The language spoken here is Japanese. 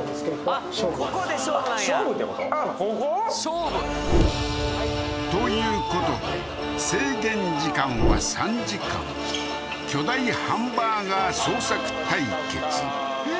あっここ？ということで制限時間は３時間巨大ハンバーガー捜索対決